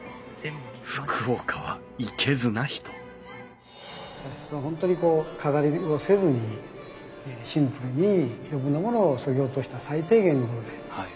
福岡はいけずな人茶室は本当にこう飾りをせずにシンプルに余分なものをそぎ落とした最低限なもので。